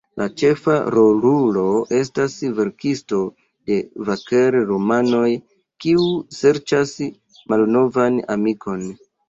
La ĉefa rolulo estas verkisto de vaker-romanoj, kiu serĉas malnovan amikon.